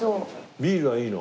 ビールはいいの？